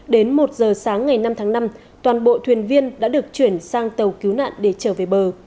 đến một giờ sáng ngày năm tháng năm toàn bộ thuyền viên đã được chuyển sang tàu cứu nạn để trở về bờ